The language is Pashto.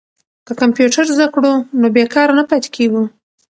که کمپیوټر زده کړو نو بې کاره نه پاتې کیږو.